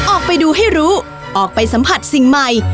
ออกไปดูให้รู้ออกไปสัมผัสสิ่งใหม่